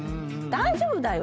大丈夫だよ！